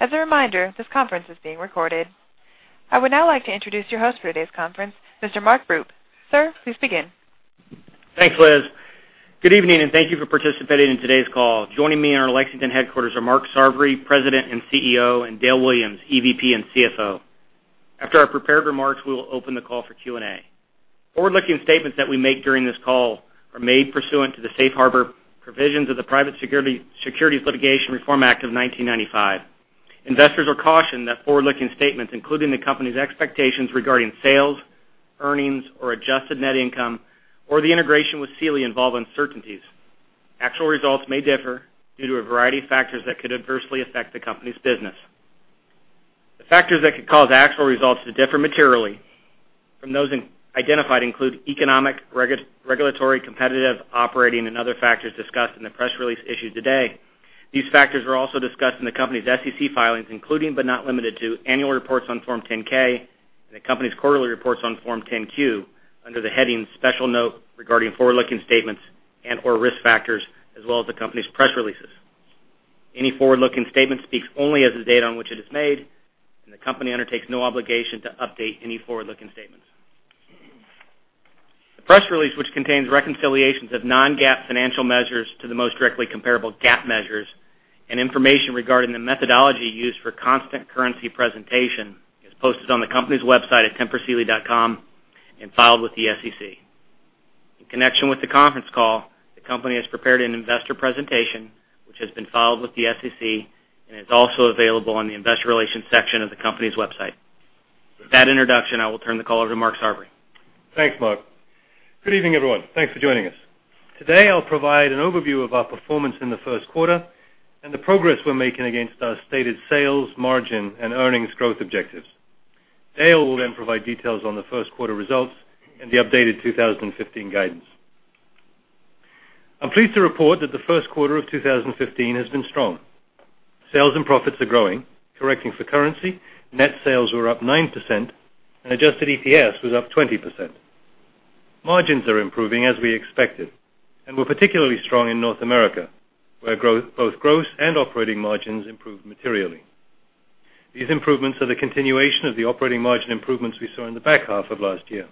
As a reminder, this conference is being recorded. I would now like to introduce your host for today's conference, Mr. Mark Broop. Sir, please begin. Thanks, Liz. Good evening, and thank you for participating in today's call. Joining me in our Lexington headquarters are Mark Sarvary, President and CEO, and Dale Williams, EVP and CFO. After our prepared remarks, we will open the call for Q&A. Forward-looking statements that we make during this call are made pursuant to the safe harbor provisions of the Private Securities Litigation Reform Act of 1995. Investors are cautioned that forward-looking statements, including the company's expectations regarding sales, earnings, or adjusted net income, or the integration with Sealy involve uncertainties. Actual results may differ due to a variety of factors that could adversely affect the company's business. The factors that could cause actual results to differ materially from those identified include economic, regulatory, competitive, operating, and other factors discussed in the press release issued today. These factors are also discussed in the company's SEC filings, including, but not limited to, annual reports on Form 10-K and the company's quarterly reports on Form 10-Q under the heading Special Note Regarding Forward-Looking Statements and/or Risk Factors, as well as the company's press releases. Any forward-looking statement speaks only as of the date on which it is made, and the company undertakes no obligation to update any forward-looking statements. The press release, which contains reconciliations of non-GAAP financial measures to the most directly comparable GAAP measures and information regarding the methodology used for constant currency presentation, is posted on the company's website at investor.tempursealy.com and filed with the SEC. In connection with the conference call, the company has prepared an investor presentation, which has been filed with the SEC and is also available on the investor relations section of the company's website. With that introduction, I will turn the call over to Mark Sarvary. Thanks, Mark. Good evening, everyone. Thanks for joining us. Today, I'll provide an overview of our performance in the first quarter and the progress we're making against our stated sales, margin, and earnings growth objectives. Dale will then provide details on the first quarter results and the updated 2015 guidance. I'm pleased to report that the first quarter of 2015 has been strong. Sales and profits are growing. Correcting for currency, net sales were up 9% and adjusted EPS was up 20%. Margins are improving as we expected and were particularly strong in North America, where both gross and operating margins improved materially. These improvements are the continuation of the operating margin improvements we saw in the back half of last year.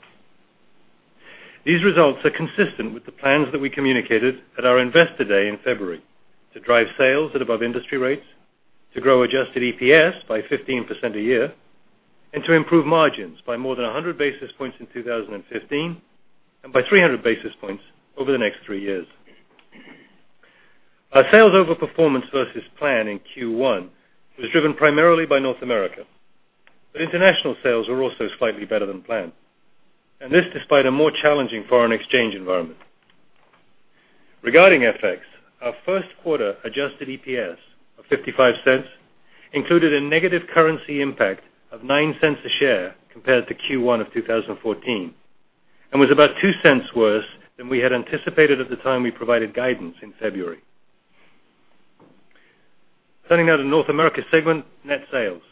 These results are consistent with the plans that we communicated at our Investor Day in February to drive sales at above industry rates, to grow adjusted EPS by 15% a year, and to improve margins by more than 100 basis points in 2015 and by 300 basis points over the next three years. Our sales overperformance versus plan in Q1 was driven primarily by North America. International sales were also slightly better than planned, and this despite a more challenging foreign exchange environment. Regarding FX, our first quarter adjusted EPS of $0.55 included a negative currency impact of $0.09 a share compared to Q1 of 2014 and was about $0.02 worse than we had anticipated at the time we provided guidance in February. Turning now to North America segment net sales.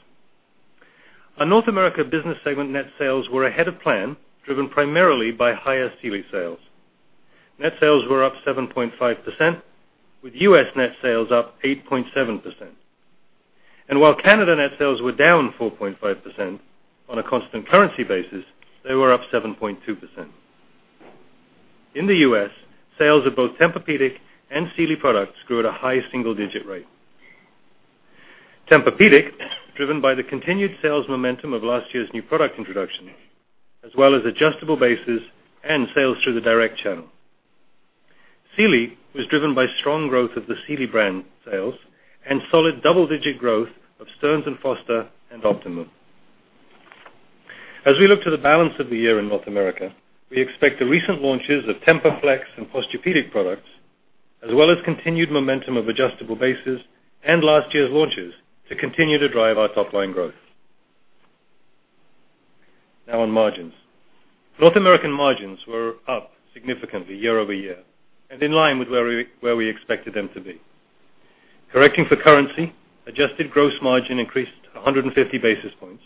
Our North America business segment net sales were ahead of plan, driven primarily by higher Sealy sales. Net sales were up 7.5%, with U.S. net sales up 8.7%. While Canada net sales were down 4.5%, on a constant currency basis, they were up 7.2%. In the U.S., sales of both Tempur-Pedic and Sealy products grew at a high single-digit rate. Tempur-Pedic, driven by the continued sales momentum of last year's new product introduction, as well as adjustable bases and sales through the direct channel. Sealy was driven by strong growth of the Sealy brand sales and solid double-digit growth of Stearns & Foster and Optimum. As we look to the balance of the year in North America, we expect the recent launches of TEMPUR-Flex and Posturepedic products, as well as continued momentum of adjustable bases and last year's launches, to continue to drive our top-line growth. Now on margins. North American margins were up significantly year-over-year and in line with where we expected them to be. Correcting for currency, adjusted gross margin increased 150 basis points,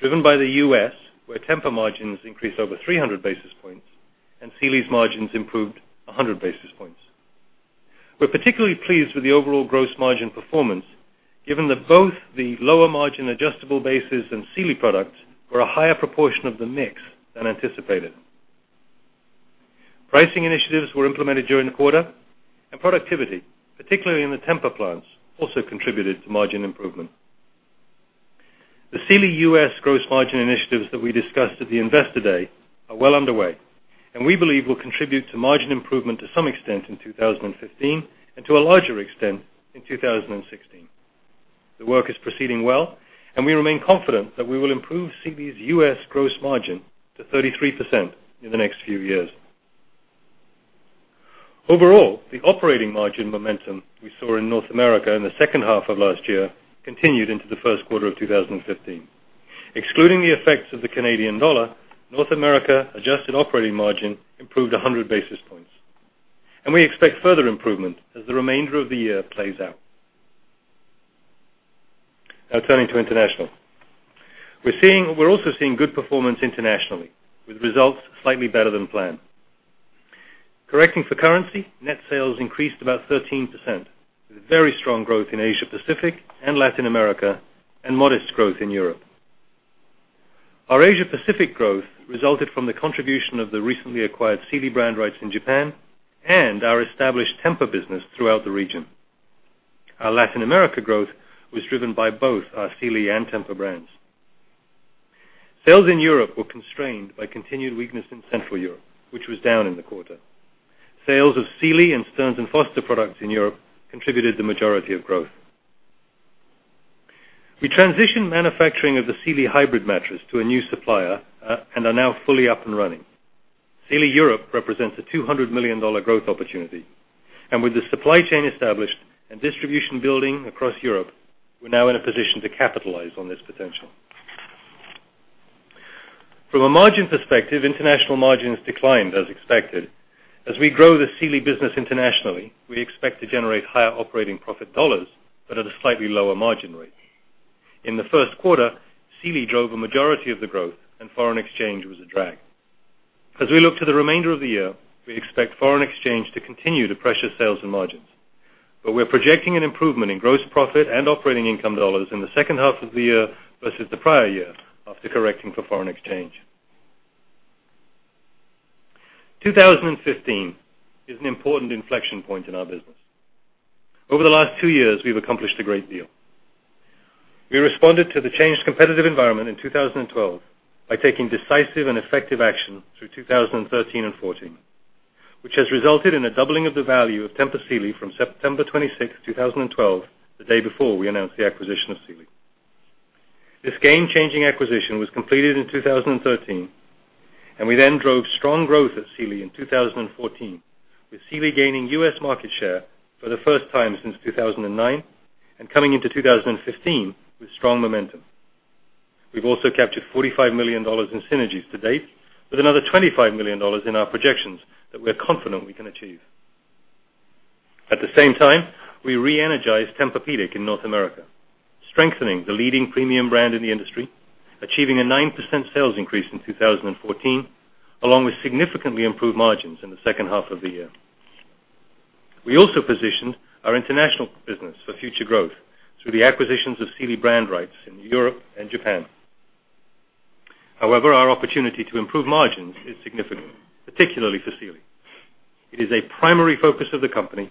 driven by the U.S., where TEMPUR margins increased over 300 basis points and Sealy's margins improved 100 basis points. We're particularly pleased with the overall gross margin performance, given that both the lower margin adjustable bases and Sealy products were a higher proportion of the mix than anticipated. Pricing initiatives were implemented during the quarter, and productivity, particularly in the TEMPUR plants, also contributed to margin improvement. The Sealy U.S. gross margin initiatives that we discussed at the Investor Day are well underway, and we believe will contribute to margin improvement to some extent in 2015 and to a larger extent in 2016. The work is proceeding well, we remain confident that we will improve Sealy's U.S. gross margin to 33% in the next few years. Overall, the operating margin momentum we saw in North America in the second half of last year continued into the first quarter of 2015. Excluding the effects of the Canadian dollar, North America adjusted operating margin improved 100 basis points. We expect further improvement as the remainder of the year plays out. Turning to international. We're also seeing good performance internationally, with results slightly better than planned. Correcting for currency, net sales increased about 13%, with very strong growth in Asia Pacific and Latin America, and modest growth in Europe. Our Asia Pacific growth resulted from the contribution of the recently acquired Sealy brand rights in Japan and our established TEMPUR business throughout the region. Our Latin America growth was driven by both our Sealy and TEMPUR brands. Sales in Europe were constrained by continued weakness in Central Europe, which was down in the quarter. Sales of Sealy and Stearns & Foster products in Europe contributed the majority of growth. We transitioned manufacturing of the Sealy Hybrid mattress to a new supplier, and are now fully up and running. Sealy Europe represents a $200 million growth opportunity. With the supply chain established and distribution building across Europe, we're now in a position to capitalize on this potential. From a margin perspective, international margins declined as expected. As we grow the Sealy business internationally, we expect to generate higher operating profit dollars, but at a slightly lower margin rate. In the first quarter, Sealy drove a majority of the growth, and foreign exchange was a drag. As we look to the remainder of the year, we expect foreign exchange to continue to pressure sales and margins. We're projecting an improvement in gross profit and operating income dollars in the second half of the year versus the prior year after correcting for foreign exchange. 2015 is an important inflection point in our business. Over the last two years, we've accomplished a great deal. We responded to the changed competitive environment in 2012 by taking decisive and effective action through 2013 and 2014, which has resulted in a doubling of the value of Tempur Sealy from September 26, 2012, the day before we announced the acquisition of Sealy. This game-changing acquisition was completed in 2013, we then drove strong growth at Sealy in 2014, with Sealy gaining U.S. market share for the first time since 2009 and coming into 2015 with strong momentum. We've also captured $45 million in synergies to date, with another $25 million in our projections that we're confident we can achieve. At the same time, we re-energized Tempur-Pedic in North America, strengthening the leading premium brand in the industry, achieving a 9% sales increase in 2014, along with significantly improved margins in the second half of the year. We also positioned our international business for future growth through the acquisitions of Sealy brand rights in Europe and Japan. However, our opportunity to improve margins is significant, particularly for Sealy. It is a primary focus of the company,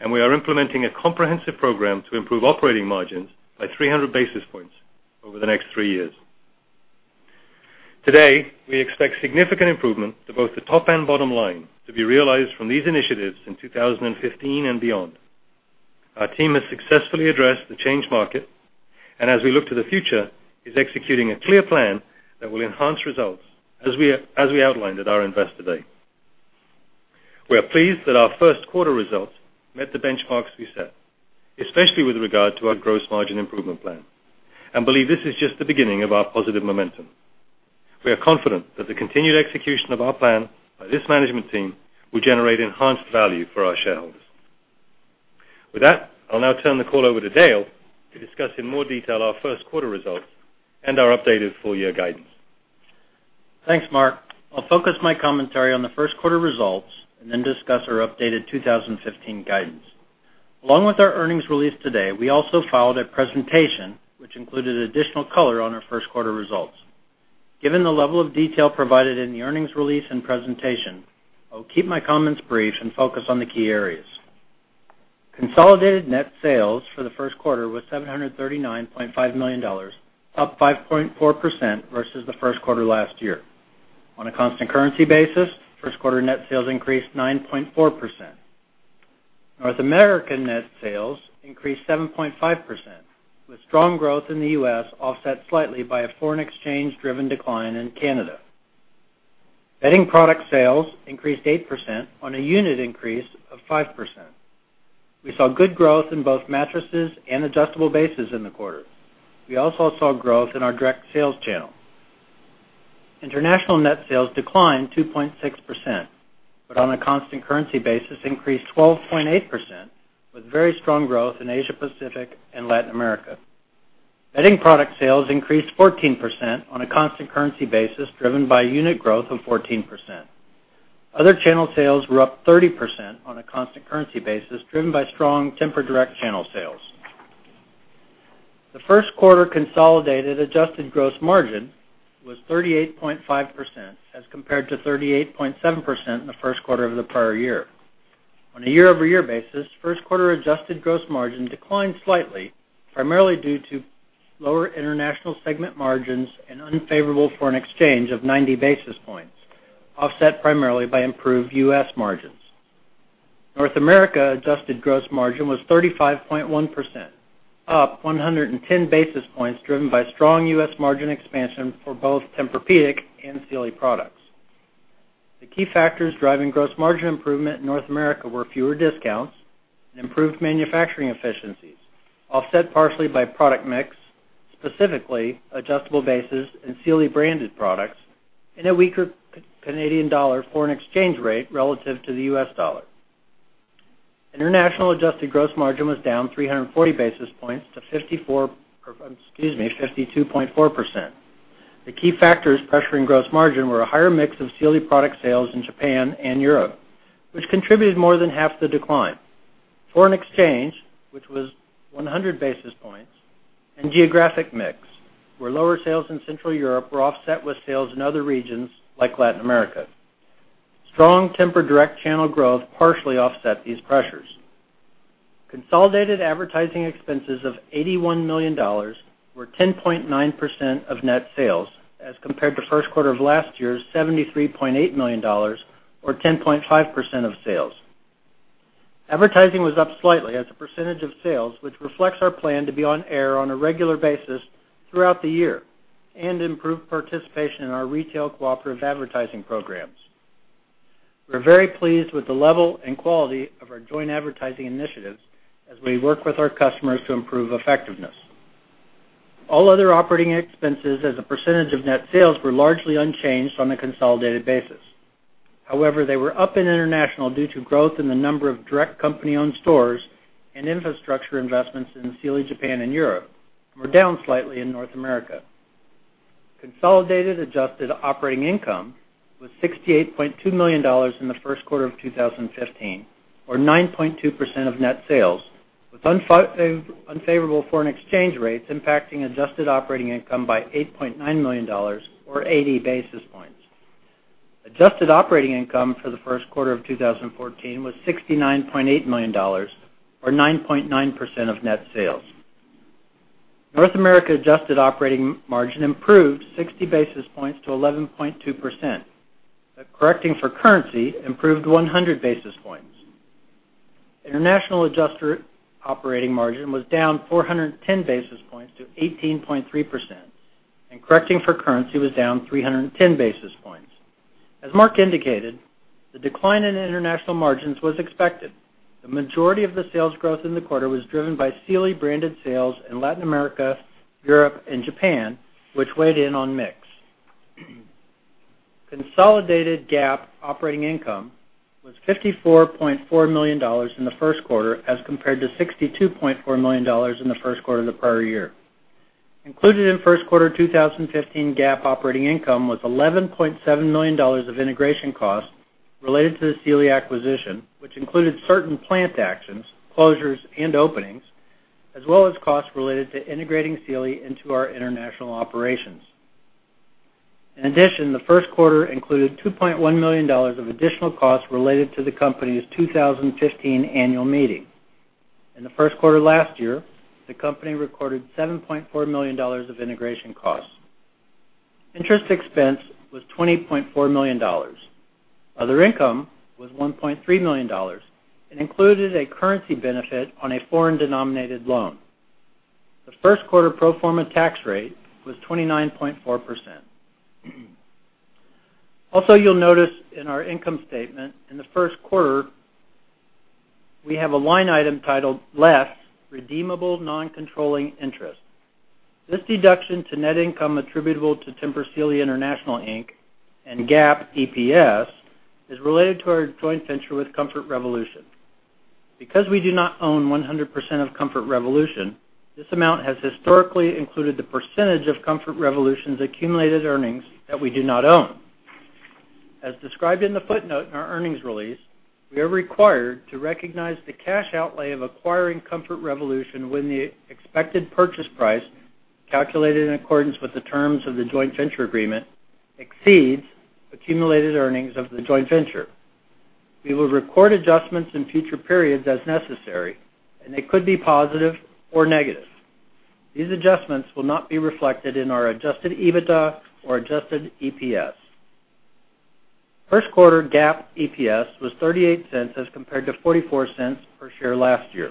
and we are implementing a comprehensive program to improve operating margins by 300 basis points over the next three years. Today, we expect significant improvement to both the top and bottom line to be realized from these initiatives in 2015 and beyond. Our team has successfully addressed the change market, and as we look to the future, is executing a clear plan that will enhance results as we outlined at our investor day. We are pleased that our first quarter results met the benchmarks we set, especially with regard to our gross margin improvement plan, and believe this is just the beginning of our positive momentum. We are confident that the continued execution of our plan by this management team will generate enhanced value for our shareholders. With that, I'll now turn the call over to Dale to discuss in more detail our first quarter results and our updated full-year guidance. Thanks, Mark. I'll focus my commentary on the first quarter results and then discuss our updated 2015 guidance. Along with our earnings release today, we also filed a presentation which included additional color on our first quarter results. Given the level of detail provided in the earnings release and presentation, I'll keep my comments brief and focus on the key areas. Consolidated net sales for the first quarter was $739.5 million, up 5.4% versus the first quarter last year. On a constant currency basis, first quarter net sales increased 9.4%. North American net sales increased 7.5%, with strong growth in the U.S. offset slightly by a foreign exchange-driven decline in Canada. Bedding product sales increased 8% on a unit increase of 5%. We saw good growth in both mattresses and adjustable bases in the quarter. We also saw growth in our direct sales channel. International net sales declined 2.6%, on a constant currency basis, increased 12.8%, with very strong growth in Asia Pacific and Latin America. Bedding product sales increased 14% on a constant currency basis, driven by unit growth of 14%. Other channel sales were up 30% on a constant currency basis, driven by strong TEMPUR direct channel sales. The first quarter consolidated adjusted gross margin was 38.5% as compared to 38.7% in the first quarter of the prior year. On a year-over-year basis, first quarter adjusted gross margin declined slightly, primarily due to lower international segment margins and unfavorable foreign exchange of 90 basis points, offset primarily by improved U.S. margins. North America adjusted gross margin was 35.1%, up 110 basis points, driven by strong U.S. margin expansion for both Tempur-Pedic and Sealy products. The key factors driving gross margin improvement in North America were fewer discounts and improved manufacturing efficiencies, offset partially by product mix, specifically adjustable bases and Sealy-branded products, and a weaker Canadian dollar foreign exchange rate relative to the U.S. dollar. International adjusted gross margin was down 340 basis points to 52.4%. The key factors pressuring gross margin were a higher mix of Sealy product sales in Japan and Europe, which contributed more than half the decline. Foreign exchange, which was 100 basis points, and geographic mix, where lower sales in Central Europe were offset with sales in other regions like Latin America. Strong TEMPUR direct channel growth partially offset these pressures. Consolidated advertising expenses of $81 million, or 10.9% of net sales, as compared to first quarter of last year's $73.8 million, or 10.5% of sales. Advertising was up slightly as a percentage of sales, which reflects our plan to be on air on a regular basis throughout the year and improve participation in our retail cooperative advertising programs. We're very pleased with the level and quality of our joint advertising initiatives as we work with our customers to improve effectiveness. All other operating expenses as a percentage of net sales were largely unchanged on a consolidated basis. They were up in international due to growth in the number of direct company-owned stores and infrastructure investments in Sealy Japan and Europe, and were down slightly in North America. Consolidated adjusted operating income was $68.2 million in the first quarter of 2015, or 9.2% of net sales, with unfavorable foreign exchange rates impacting adjusted operating income by $8.9 million, or 80 basis points. Adjusted operating income for the first quarter of 2014 was $69.8 million, or 9.9% of net sales. North America adjusted operating margin improved 60 basis points to 11.2%. Correcting for currency improved 100 basis points. International adjusted operating margin was down 410 basis points to 18.3%. Correcting for currency was down 310 basis points. As Mark indicated, the decline in international margins was expected. The majority of the sales growth in the quarter was driven by Sealy branded sales in Latin America, Europe, and Japan, which weighed in on mix. Consolidated GAAP operating income was $54.4 million in the first quarter as compared to $62.4 million in the first quarter of the prior year. Included in first quarter 2015 GAAP operating income was $11.7 million of integration costs related to the Sealy acquisition, which included certain plant actions, closures, and openings, as well as costs related to integrating Sealy into our international operations. In addition, the first quarter included $2.1 million of additional costs related to the company's 2015 annual meeting. In the first quarter last year, the company recorded $7.4 million of integration costs. Interest expense was $20.4 million. Other income was $1.3 million and included a currency benefit on a foreign-denominated loan. The first quarter pro forma tax rate was 29.4%. You'll notice in our income statement, in the first quarter, we have a line item titled Less Redeemable Noncontrolling Interest. This deduction to net income attributable to Tempur Sealy International, Inc. and GAAP EPS is related to our joint venture with Comfort Revolution. Because we do not own 100% of Comfort Revolution, this amount has historically included the percentage of Comfort Revolution's accumulated earnings that we do not own. As described in the footnote in our earnings release, we are required to recognize the cash outlay of acquiring Comfort Revolution when the expected purchase price, calculated in accordance with the terms of the joint venture agreement, exceeds accumulated earnings of the joint venture. We will record adjustments in future periods as necessary. They could be positive or negative. These adjustments will not be reflected in our adjusted EBITDA or adjusted EPS. First quarter GAAP EPS was $0.38 as compared to $0.44 per share last year.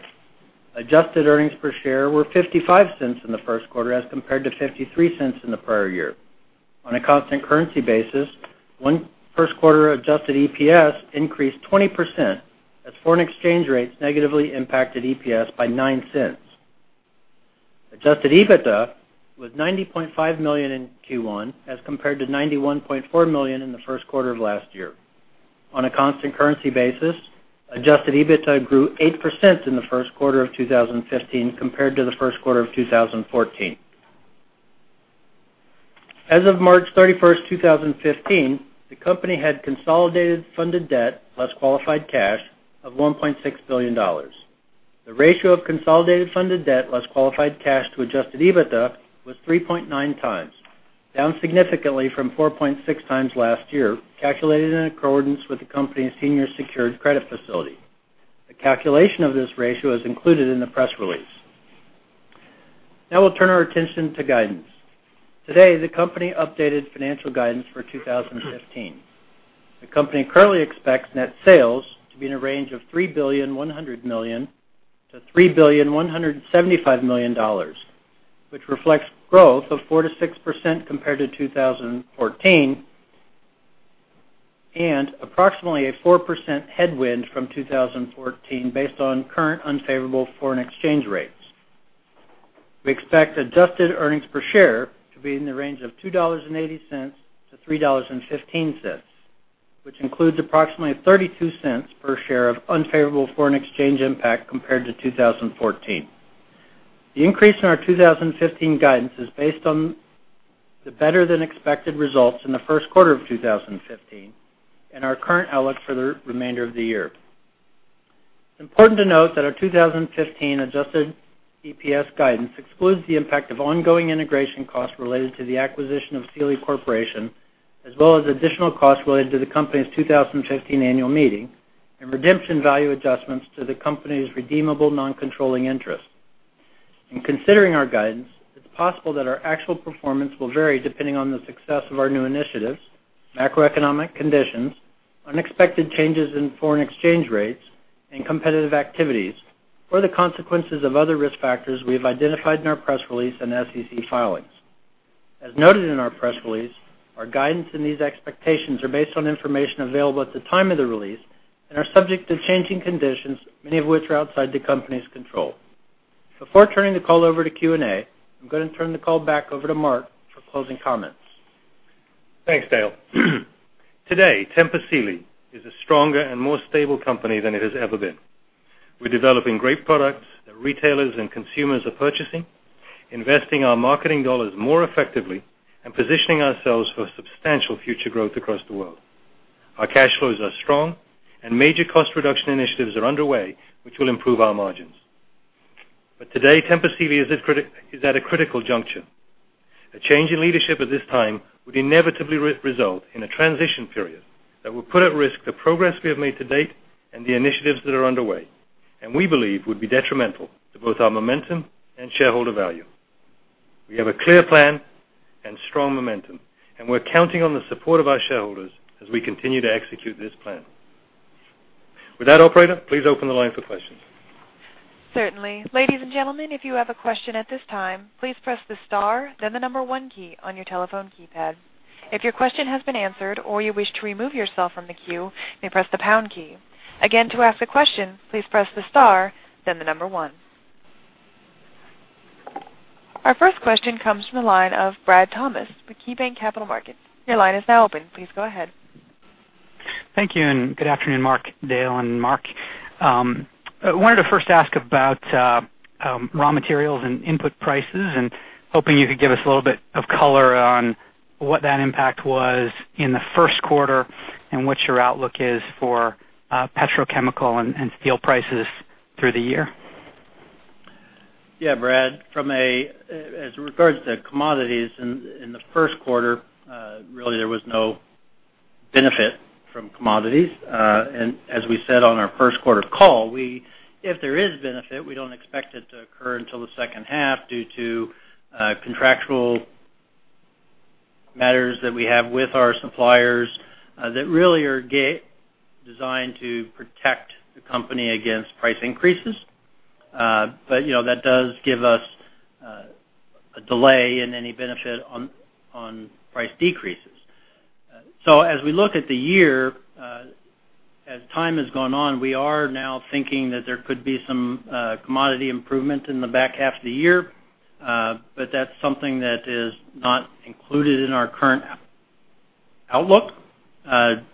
Adjusted earnings per share were $0.55 in the first quarter as compared to $0.53 in the prior year. On a constant currency basis, first quarter adjusted EPS increased 20% as foreign exchange rates negatively impacted EPS by $0.09. Adjusted EBITDA was $90.5 million in Q1 as compared to $91.4 million in the first quarter of last year. On a constant currency basis, adjusted EBITDA grew 8% in the first quarter of 2015 compared to the first quarter of 2014. As of March 31, 2015, the company had consolidated funded debt, less qualified cash, of $1.6 billion. The ratio of consolidated funded debt, less qualified cash to adjusted EBITDA, was 3.9 times, down significantly from 4.6 times last year, calculated in accordance with the company's senior secured credit facility. The calculation of this ratio is included in the press release. We'll turn our attention to guidance. Today, the company updated financial guidance for 2015. The company currently expects net sales to be in a range of $3.1 billion-$3.175 billion, which reflects growth of 4%-6% compared to 2014 and approximately a 4% headwind from 2014 based on current unfavorable foreign exchange rates. We expect adjusted earnings per share to be in the range of $2.80-$3.15, which includes approximately $0.32 per share of unfavorable foreign exchange impact compared to 2014. The increase in our 2015 guidance is based on the better-than-expected results in the first quarter of 2015 and our current outlook for the remainder of the year. It's important to note that our 2015 adjusted EPS guidance excludes the impact of ongoing integration costs related to the acquisition of Sealy Corporation, as well as additional costs related to the company's 2015 annual meeting and redemption value adjustments to the company's Redeemable Noncontrolling Interest. In considering our guidance, it's possible that our actual performance will vary depending on the success of our new initiatives, macroeconomic conditions, unexpected changes in foreign exchange rates and competitive activities, or the consequences of other risk factors we have identified in our press release and SEC filings. As noted in our press release, our guidance and these expectations are based on information available at the time of the release and are subject to changing conditions, many of which are outside the company's control. Before turning the call over to Q&A, I'm going to turn the call back over to Mark for closing comments. Thanks, Dale. Today, Tempur Sealy is a stronger and more stable company than it has ever been. We're developing great products that retailers and consumers are purchasing, investing our marketing dollars more effectively and positioning ourselves for substantial future growth across the world. Our cash flows are strong and major cost reduction initiatives are underway, which will improve our margins. Today, Tempur Sealy is at a critical juncture. A change in leadership at this time would inevitably result in a transition period that will put at risk the progress we have made to date and the initiatives that are underway, and we believe would be detrimental to both our momentum and shareholder value. We have a clear plan and strong momentum, and we're counting on the support of our shareholders as we continue to execute this plan. With that, operator, please open the line for questions. Certainly. Ladies and gentlemen, if you have a question at this time, please press the star, then the number one key on your telephone keypad. If your question has been answered or you wish to remove yourself from the queue, you may press the pound key. Again, to ask a question, please press the star, then the number one. Our first question comes from the line of Bradley Thomas with KeyBanc Capital Markets. Your line is now open. Please go ahead. Thank you, and good afternoon, Mark, Dale, and Mark. I wanted to first ask about raw materials and input prices, and hoping you could give us a little bit of color on what that impact was in the first quarter and what your outlook is for petrochemical and steel prices through the year. Brad, as regards to commodities in the first quarter, really there was no benefit from commodities. As we said on our first quarter call, if there is benefit, we don't expect it to occur until the second half due to contractual matters that we have with our suppliers that really are designed to protect the company against price increases. That does give us a delay in any benefit on price decreases. As we look at the year, as time has gone on, we are now thinking that there could be some commodity improvement in the back half of the year. That's something that is not included in our current outlook,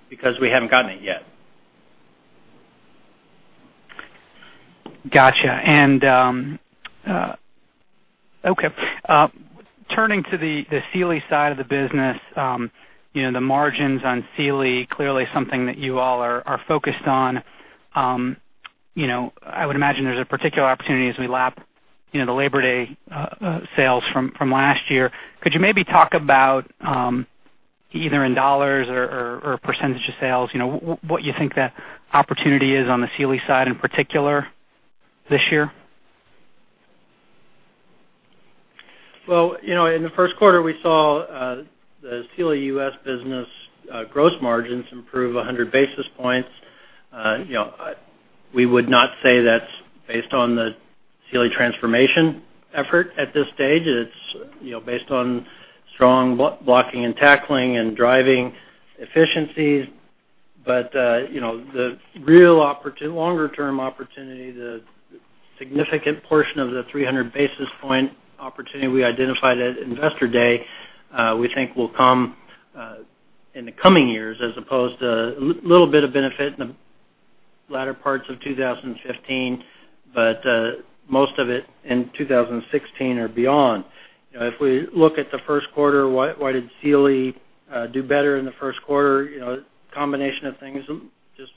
because we haven't gotten it yet. Got you. Okay. Turning to the Sealy side of the business, the margins on Sealy clearly something that you all are focused on. I would imagine there's a particular opportunity as we lap the Labor Day sales from last year. Could you maybe talk about, either in $ or % of sales, what you think the opportunity is on the Sealy side in particular this year? In the first quarter, we saw the Sealy U.S. business gross margins improve 100 basis points. We would not say that's based on the Sealy transformation effort at this stage. It's based on strong blocking and tackling and driving efficiencies. The real longer-term opportunity, the significant portion of the 300 basis point opportunity we identified at Investor Day, we think will come in the coming years as opposed to a little bit of benefit in the latter parts of 2015, but most of it in 2016 or beyond. If we look at the first quarter, why did Sealy do better in the first quarter? A combination of things. Just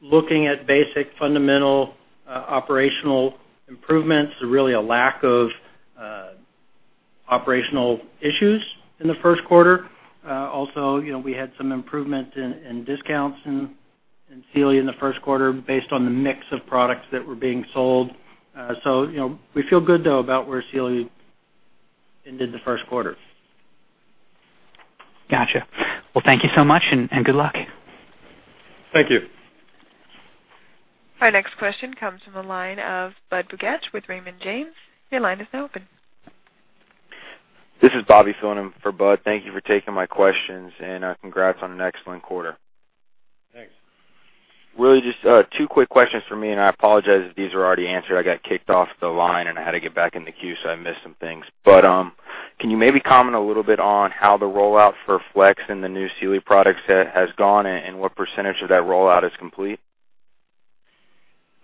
looking at basic fundamental operational improvements, really a lack of operational issues in the first quarter. Also, we had some improvement in discounts in Sealy in the first quarter based on the mix of products that were being sold. We feel good, though, about where Sealy ended the first quarter. Got you. Thank you so much and good luck. Thank you. Our next question comes from the line of Budd Bugatch with Raymond James. Your line is now open. This is Bobby Griffin for Budd. Thank you for taking my questions and congrats on an excellent quarter. Thanks. Really just two quick questions from me. I apologize if these were already answered. I got kicked off the line. I had to get back in the queue. I missed some things. Can you maybe comment a little bit on how the rollout for Flex and the new Sealy products has gone and what % of that rollout is complete?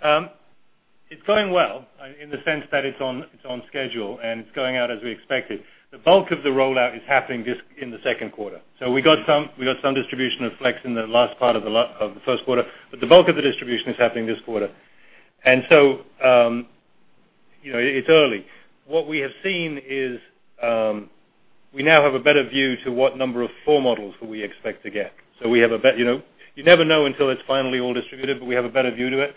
It's going well in the sense that it's on schedule. It's going out as we expected. The bulk of the rollout is happening just in the second quarter. We got some distribution of Flex in the last part of the first quarter. The bulk of the distribution is happening this quarter. It's early. What we have seen is, we now have a better view to what number of floor models we expect to get. You never know until it's finally all distributed. We have a better view to it.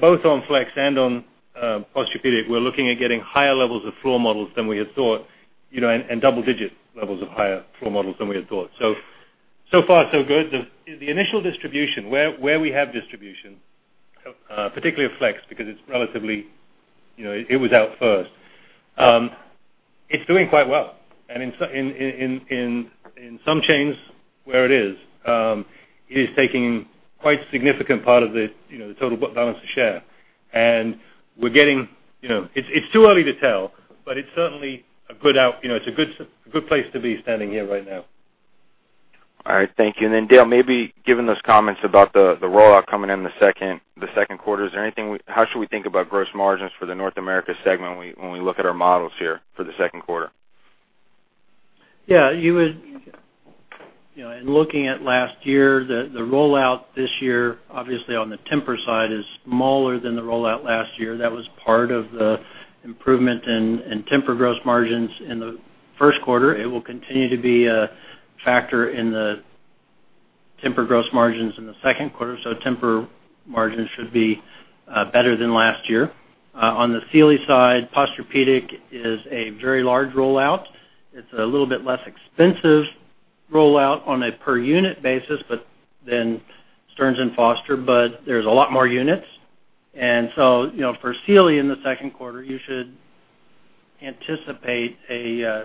Both on Flex and on Posturepedic, we're looking at getting higher levels of floor models than we had thought. Double-digit levels of higher floor models than we had thought. So far so good. The initial distribution, where we have distribution, particularly of Flex, because it was out first. It's doing quite well. In some chains where it is, it is taking quite a significant part of the total book balance of share. It's too early to tell, but it's certainly a good place to be standing here right now. All right, thank you. Dale, maybe given those comments about the rollout coming in the second quarter, how should we think about gross margins for the North America segment when we look at our models here for the second quarter? In looking at last year, the rollout this year, obviously on the TEMPUR side, is smaller than the rollout last year. That was part of the improvement in TEMPUR gross margins in the first quarter. It will continue to be a factor in the TEMPUR gross margins in the second quarter. TEMPUR margins should be better than last year. On the Sealy side, Posturepedic is a very large rollout. It's a little bit less expensive rollout on a per unit basis, but than Stearns & Foster, but there's a lot more units. For Sealy in the second quarter, you should anticipate a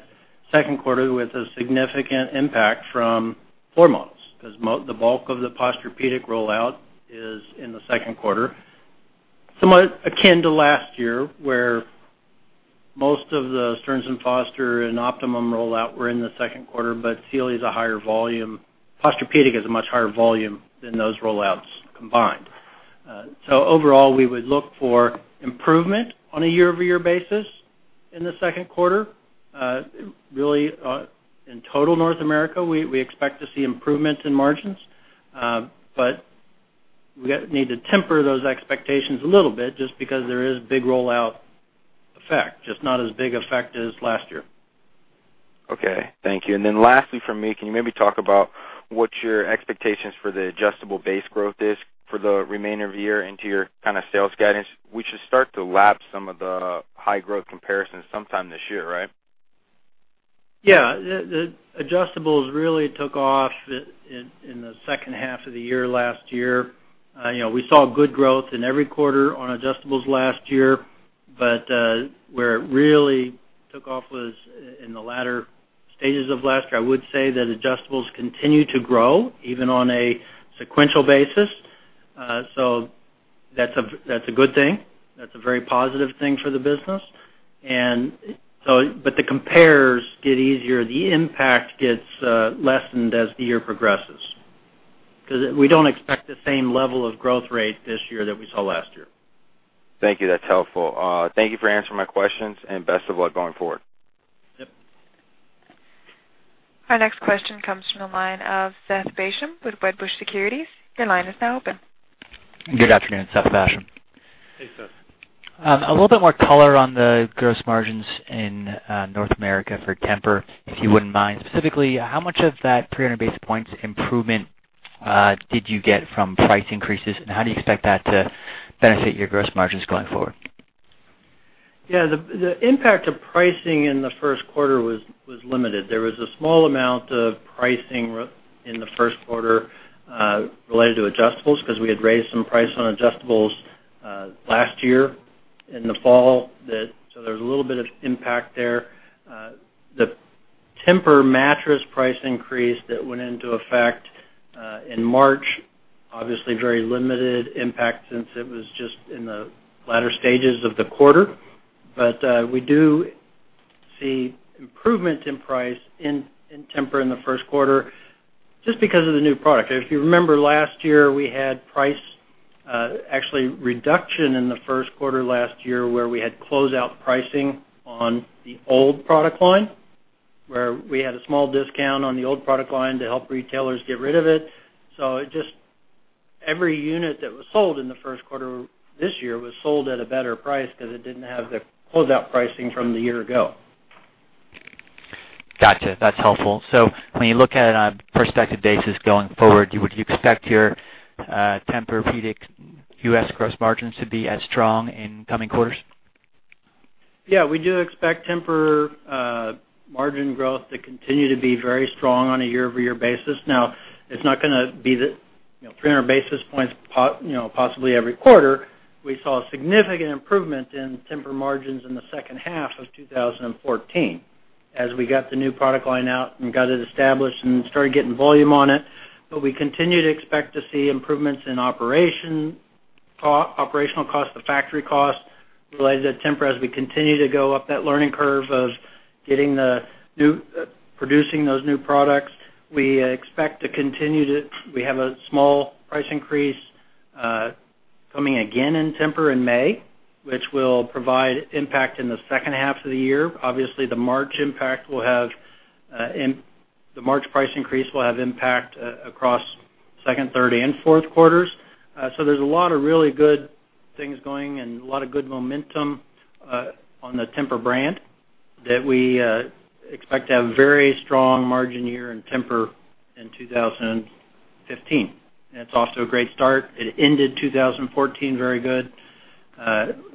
second quarter with a significant impact from floor models, because the bulk of the Posturepedic rollout is in the second quarter. Somewhat akin to last year, where most of the Stearns & Foster and Optimum rollout were in the second quarter, but Sealy is a higher volume. Posturepedic is a much higher volume than those rollouts combined. Overall, we would look for improvement on a year-over-year basis in the second quarter. Really, in total North America, we expect to see improvements in margins. We need to temper those expectations a little bit just because there is big rollout effect, just not as big effect as last year. Okay, thank you. Lastly from me, can you maybe talk about what your expectations for the adjustable base growth is for the remainder of the year into your kind of sales guidance? We should start to lap some of the high growth comparisons sometime this year, right? Yeah. The adjustables really took off in the second half of the year last year. We saw good growth in every quarter on adjustables last year. Where it really took off was in the latter stages of last year. I would say that adjustables continue to grow, even on a sequential basis. That's a good thing. That's a very positive thing for the business. The compares get easier. The impact gets lessened as the year progresses, because we don't expect the same level of growth rate this year that we saw last year. Thank you. That's helpful. Thank you for answering my questions and best of luck going forward. Yep. Our next question comes from the line of Seth Basham with Wedbush Securities. Your line is now open. Good afternoon, Seth Basham. Hey, Seth. A little bit more color on the gross margins in North America for TEMPUR, if you wouldn't mind. Specifically, how much of that 300 basis points improvement did you get from price increases, and how do you expect that to benefit your gross margins going forward? The impact of pricing in the first quarter was limited. There was a small amount of pricing in the first quarter related to adjustables, because we had raised some price on adjustables last year in the fall. There's a little bit of impact there. The Tempur mattress price increase that went into effect in March, obviously very limited impact since it was just in the latter stages of the quarter. We do see improvement in price in Tempur in the first quarter just because of the new product. If you remember last year, we had price actually reduction in the first quarter last year where we had closeout pricing on the old product line, where we had a small discount on the old product line to help retailers get rid of it. Every unit that was sold in the first quarter this year was sold at a better price because it didn't have the closeout pricing from the year ago. Gotcha. That's helpful. When you look at it on a prospective basis going forward, would you expect your TEMPUR-Pedic U.S. gross margins to be as strong in coming quarters? Yeah. We do expect TEMPUR margin growth to continue to be very strong on a year-over-year basis. It's not going to be the 300 basis points, possibly every quarter. We saw a significant improvement in TEMPUR margins in the second half of 2014, as we got the new product line out and got it established and started getting volume on it. We continue to expect to see improvements in operational cost, the factory cost related to TEMPUR as we continue to go up that learning curve of producing those new products. We have a small price increase coming again in TEMPUR in May, which will provide impact in the second half of the year. Obviously, the March price increase will have impact across second, third, and fourth quarters. There's a lot of really good things going and a lot of good momentum on the TEMPUR brand that we expect to have very strong margin year in TEMPUR in 2015. It's also a great start. It ended 2014 very good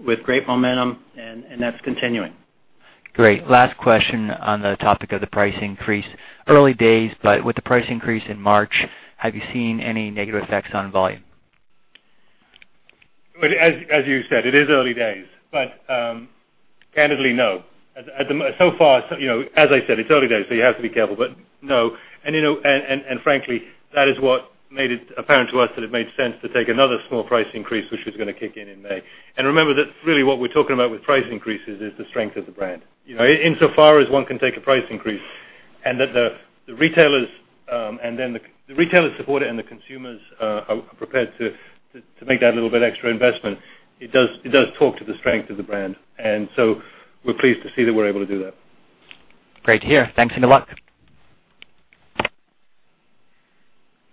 with great momentum, that's continuing. Great. Last question on the topic of the price increase. Early days, with the price increase in March, have you seen any negative effects on volume? Well, as you said, it is early days, but candidly, no. As I said, it's early days, so you have to be careful. No. Frankly, that is what made it apparent to us that it made sense to take another small price increase, which is going to kick in in May. Remember that really what we're talking about with price increases is the strength of the brand. Insofar as one can take a price increase and that the retailers support it and the consumers are prepared to make that little bit extra investment, it does talk to the strength of the brand. We're pleased to see that we're able to do that. Great to hear. Thanks, and good luck.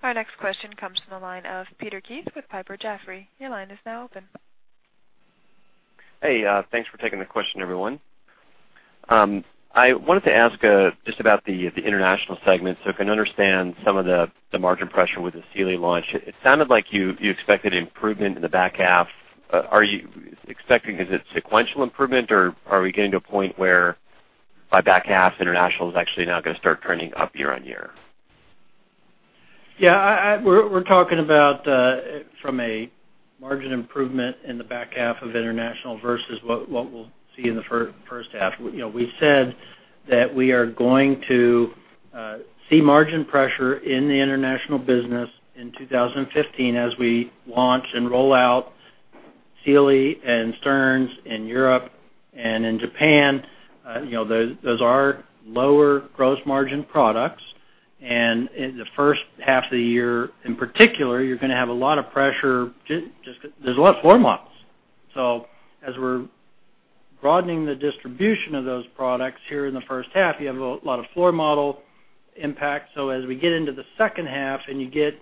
Our next question comes from the line of Peter Keith with Piper Jaffray. Your line is now open. Hey, thanks for taking the question, everyone. I wanted to ask just about the International segment so I can understand some of the margin pressure with the Sealy launch. It sounded like you expected improvement in the back half. Is it sequential improvement, or are we getting to a point where by back half, International's actually now going to start turning up year-over-year? Yeah. We're talking about from a margin improvement in the back half of International versus what we'll see in the first half. We said that we are going to see margin pressure in the International business in 2015 as we launch and roll out Sealy and Stearns in Europe and in Japan. Those are lower gross margin products. In the first half of the year, in particular, you're going to have a lot of pressure just because there's a lot of floor models. As we're broadening the distribution of those products here in the first half, you have a lot of floor model impact. As we get into the second half and you get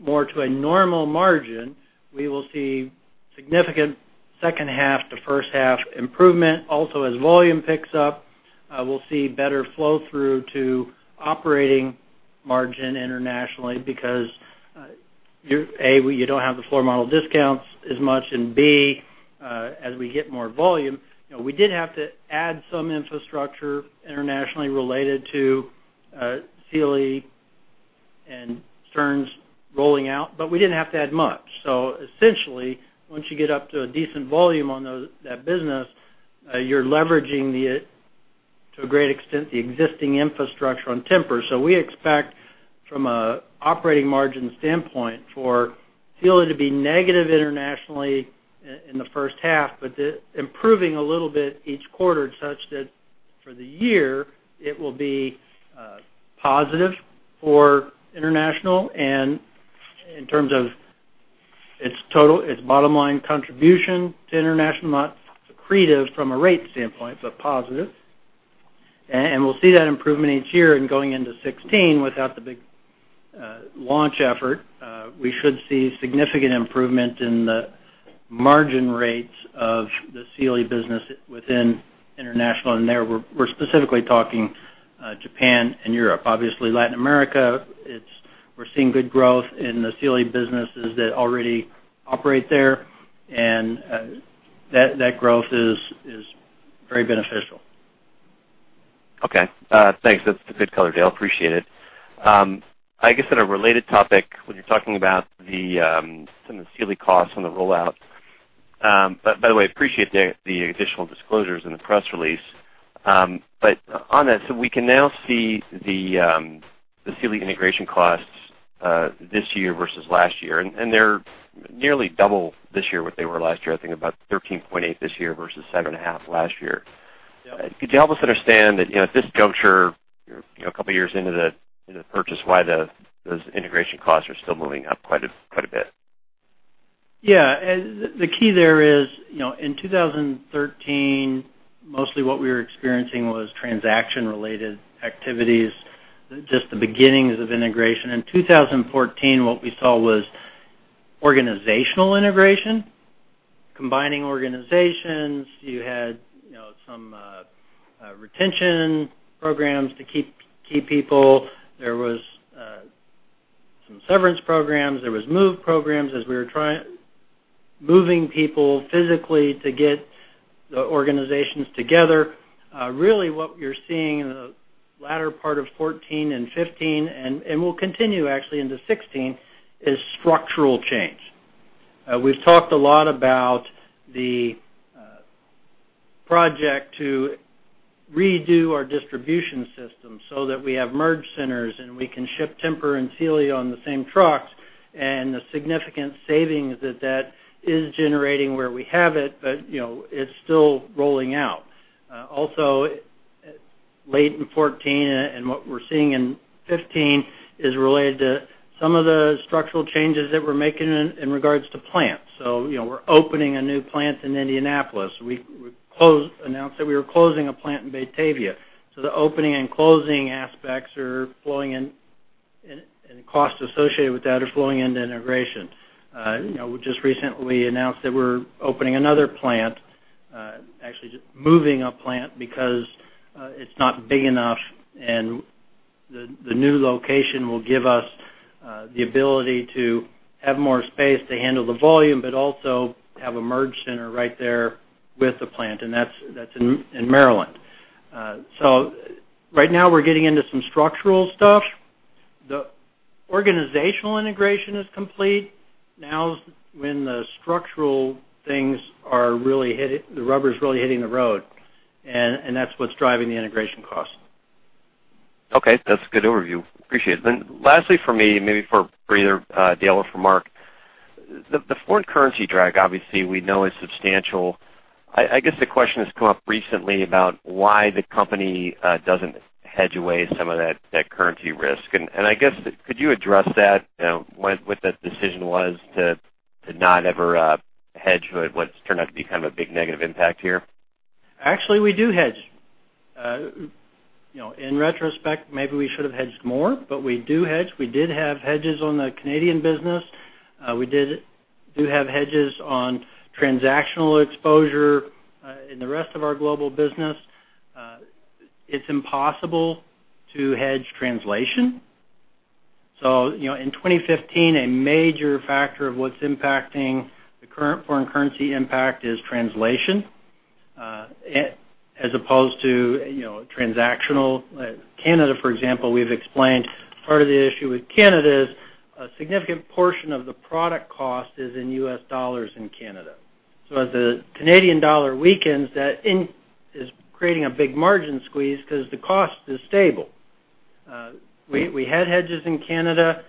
more to a normal margin, we will see significant second half to first half improvement. Also, as volume picks up, we'll see better flow-through to operating margin internationally because, A, we don't have the floor model discounts as much, and B, as we get more volume. We did have to add some infrastructure internationally related to Sealy and Stearns rolling out, but we didn't have to add much. Essentially, once you get up to a decent volume on that business, you're leveraging to a great extent the existing infrastructure on TEMPUR. We expect from an operating margin standpoint for Sealy to be negative internationally in the first half, but improving a little bit each quarter such that for the year, it will be positive for International. In terms of its bottom line contribution to International, not accretive from a rate standpoint, but positive. We'll see that improvement each year. Going into 2016 without the big launch effort, we should see significant improvement in the margin rates of the Sealy business within International. There, we're specifically talking Japan and Europe. Obviously, Latin America, we're seeing good growth in the Sealy businesses that already operate there, and that growth is very beneficial. Okay. Thanks. That's a good color, Dale. Appreciate it. I guess on a related topic, when you're talking about some of the Sealy costs on the rollout. By the way, appreciate the additional disclosures in the press release. On that, we can now see the Sealy integration costs this year versus last year, and they're nearly double this year what they were last year, I think about $13.8 this year versus $7.5 last year. Yeah. Could you help us understand at this juncture, a couple of years into the purchase, why those integration costs are still moving up quite a bit? The key there is, in 2013, mostly what we were experiencing was transaction-related activities, just the beginnings of integration. In 2014, what we saw was organizational integration, combining organizations. You had some retention programs to keep people. There was some severance programs. There was move programs. Moving people physically to get the organizations together. Really what we're seeing in the latter part of 2014 and 2015, and will continue actually into 2016, is structural change. We've talked a lot about the project to redo our distribution system so that we have merge centers, and we can ship TEMPUR and Sealy on the same trucks, and the significant savings that that is generating where we have it, but it's still rolling out. Late in 2014 and what we're seeing in 2015 is related to some of the structural changes that we're making in regards to plants. We're opening a new plant in Indianapolis. We announced that we were closing a plant in Batavia. The opening and closing aspects and the costs associated with that are flowing into integration. We just recently announced that we're opening another plant, actually just moving a plant because it's not big enough and the new location will give us the ability to have more space to handle the volume, but also have a merge center right there with the plant, and that's in Maryland. Right now, we're getting into some structural stuff. The organizational integration is complete. Now is when the structural things are really hitting, the rubber's really hitting the road. That's what's driving the integration cost. Okay. That's a good overview. Appreciate it. Lastly for me, maybe for either Dale or for Mark, the foreign currency drag obviously we know is substantial. I guess the question has come up recently about why the company doesn't hedge away some of that currency risk. I guess, could you address that? What that decision was to not ever hedge what's turned out to be kind of a big negative impact here? Actually, we do hedge. In retrospect, maybe we should have hedged more, but we do hedge. We did have hedges on the Canadian business. We do have hedges on transactional exposure in the rest of our global business. It's impossible to hedge translation. In 2015, a major factor of what's impacting the current foreign currency impact is translation, as opposed to transactional. Canada, for example, we've explained part of the issue with Canada is a significant portion of the product cost is in US dollars in Canada. As the Canadian dollar weakens, that is creating a big margin squeeze because the cost is stable. We had hedges in Canada.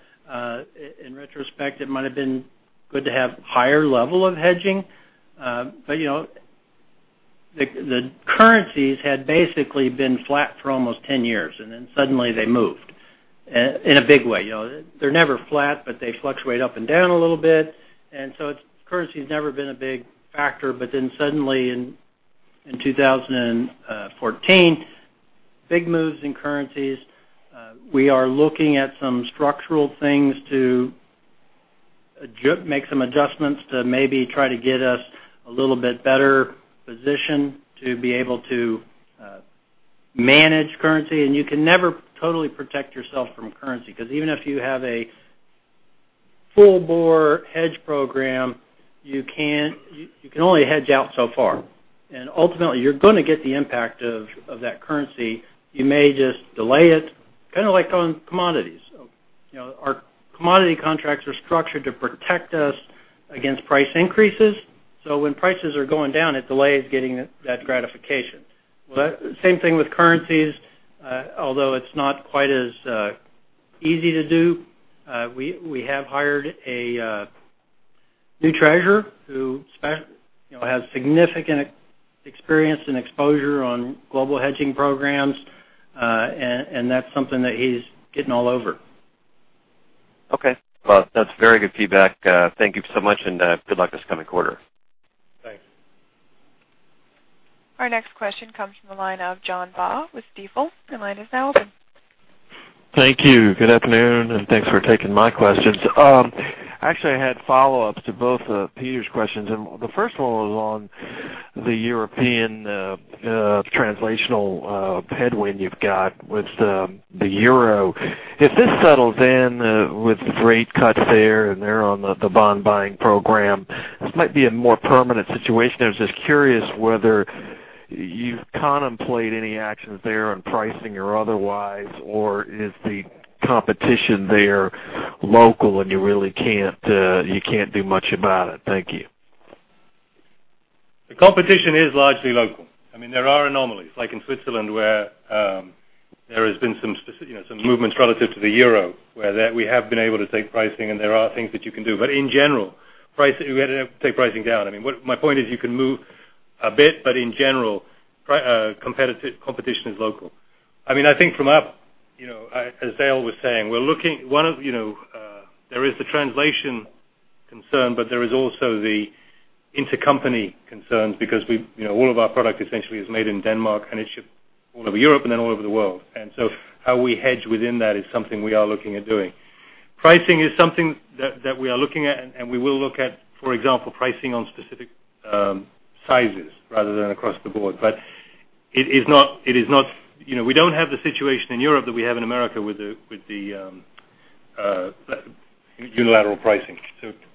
In retrospect, it might have been good to have higher level of hedging. The currencies had basically been flat for almost 10 years, and then suddenly they moved in a big way. They're never flat, but they fluctuate up and down a little bit. Currency's never been a big factor, but then suddenly in 2014, big moves in currencies. We are looking at some structural things to make some adjustments to maybe try to get us a little bit better positioned to be able to manage currency. You can never totally protect yourself from currency, because even if you have a full-bore hedge program, you can only hedge out so far, and ultimately you're going to get the impact of that currency. You may just delay it, kind of like on commodities. Our commodity contracts are structured to protect us against price increases. When prices are going down, it delays getting that gratification. Well, same thing with currencies. Although it's not quite as easy to do. We have hired a new treasurer who has significant experience and exposure on global hedging programs. That's something that he's getting all over. Okay. Well, that's very good feedback. Thank you so much, and good luck this coming quarter. Thanks. Our next question comes from the line of John Baugh with Stifel. Your line is now open. Thank you. Good afternoon, and thanks for taking my questions. Actually, I had follow-ups to both of Peter's questions. The first one was on the European translational headwind you've got with the euro. If this settles in with rate cuts there and there on the bond buying program, this might be a more permanent situation. I was just curious whether you've contemplated any actions there on pricing or otherwise, or is the competition there local and you really can't do much about it? Thank you. The competition is largely local. There are anomalies like in Switzerland, where there has been some movements relative to the euro, where we have been able to take pricing, and there are things that you can do. In general, we had to take pricing down. My point is you can move a bit, but in general, competition is local. I think from up, as Dale was saying, there is the translation concern, but there is also the intercompany concerns because all of our product essentially is made in Denmark, and it's shipped all over Europe and then all over the world. How we hedge within that is something we are looking at doing. Pricing is something that we are looking at, and we will look at, for example, pricing on specific sizes rather than across the board. We don't have the situation in Europe that we have in America with the unilateral pricing.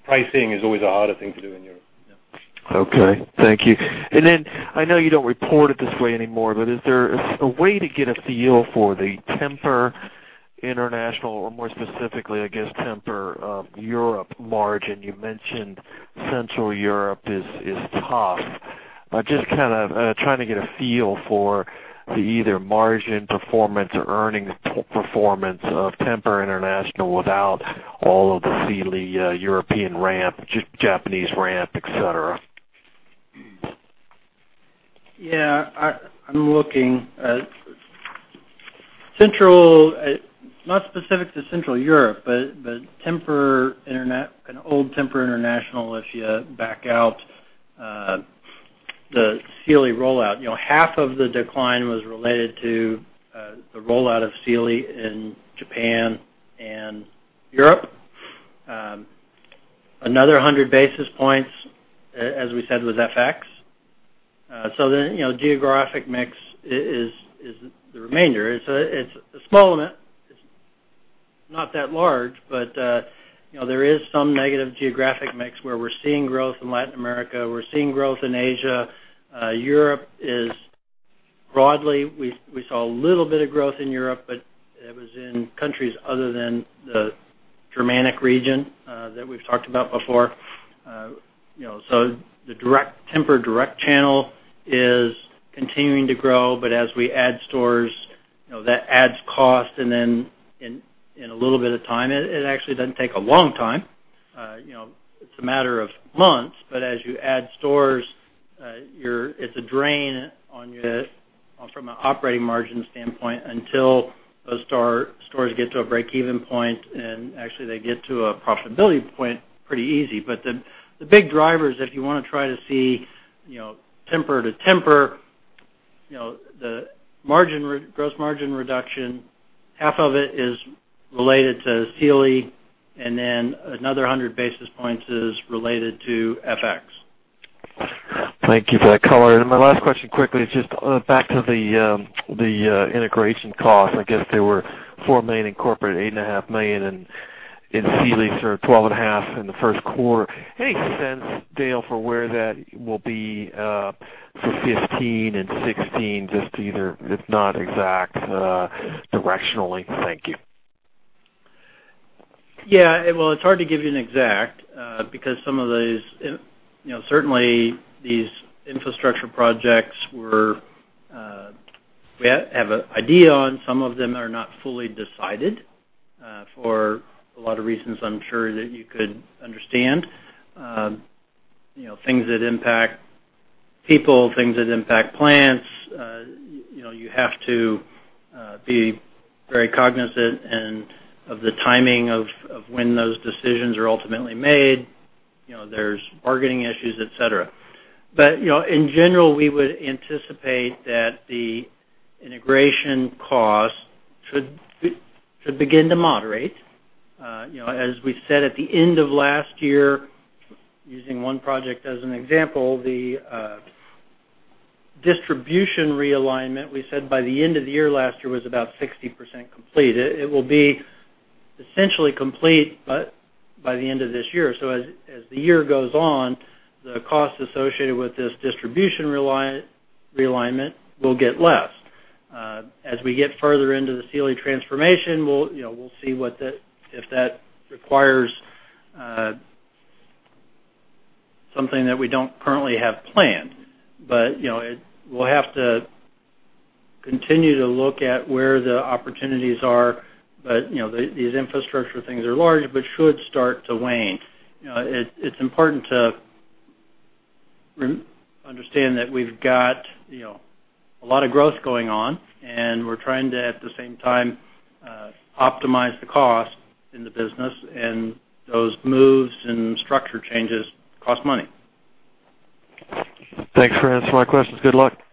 Pricing is always a harder thing to do in Europe. Yeah. Okay, thank you. I know you don't report it this way anymore, but is there a way to get a feel for the TEMPUR International or more specifically, I guess, TEMPUR Europe margin? You mentioned Central Europe is tough. Just trying to get a feel for the either margin performance or earnings performance of TEMPUR International without all of the Sealy European ramp, Japanese ramp, et cetera. Yeah, I'm looking. Not specific to Central Europe, but an old TEMPUR International, if you back out the Sealy rollout. Half of the decline was related to the rollout of Sealy in Japan and Europe. Another 100 basis points, as we said, was FX. Geographic mix is the remainder. It's a small amount. It's not that large, but there is some negative geographic mix where we're seeing growth in Latin America, we're seeing growth in Asia. Broadly, we saw a little bit of growth in Europe, but it was in countries other than the Germanic region that we've talked about before. The TEMPUR direct channel is continuing to grow, but as we add stores, that adds cost, and then in a little bit of time, it actually doesn't take a long time. It's a matter of months. As you add stores, it's a drain from an operating margin standpoint until those stores get to a break-even point, and actually they get to a profitability point pretty easy. The big drivers, if you want to try to see TEMPUR to TEMPUR, the gross margin reduction, half of it is related to Sealy, and then another 100 basis points is related to FX. Thank you for that color. My last question quickly is just back to the integration cost. I guess there were $4 million in corporate, $8.5 million in Sealy, $12.5 million in the first quarter. Any sense, Dale, for where that will be for 2015 and 2016, just either, if not exact, directionally? Thank you. It's hard to give you an exact, because certainly these infrastructure projects we have an idea on. Some of them are not fully decided for a lot of reasons I'm sure that you could understand. Things that impact people, things that impact plants, you have to be very cognizant of the timing of when those decisions are ultimately made. There's bargaining issues, et cetera. In general, we would anticipate that the integration cost should begin to moderate. As we said at the end of last year, using one project as an example, the distribution realignment we said by the end of the year last year was about 60% complete. It will be essentially complete by the end of this year. As the year goes on, the cost associated with this distribution realignment will get less. As we get further into the Sealy transformation, we'll see if that requires something that we don't currently have planned. We'll have to continue to look at where the opportunities are. These infrastructure things are large, but should start to wane. It's important to understand that we've got a lot of growth going on, and we're trying to, at the same time, optimize the cost in the business, and those moves and structure changes cost money. Thanks for answering my questions. Good luck. Okay.